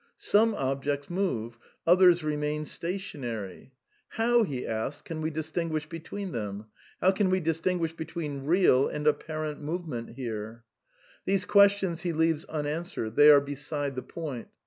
Some ob jects move; others remain stationary. How, he asks, can we distinguish between them? How can we distinguish between real and apparent movement here i These questions he leaves unanswered. They are be side the point.